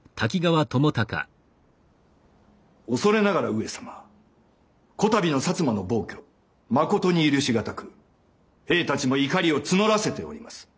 恐れながら上様此度の摩の暴挙まことに許し難く兵たちも怒りを募らせております。